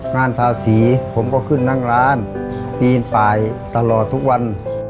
งานภาษีผมก็ขึ้นนั่งร้านปีนป่ายตลอดทุกวัน